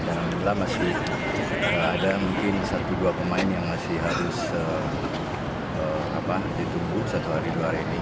dan kita masih ada mungkin satu dua pemain yang masih harus ditunggu satu hari dua hari ini